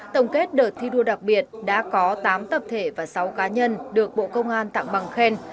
tổng kết đợt thi đua đặc biệt đã có tám tập thể và sáu cá nhân được bộ công an tặng bằng khen